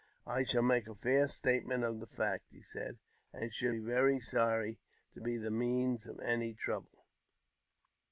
"I shall make a fair statement of the fact," he said, " and should be very sorry to be the means of any trouble."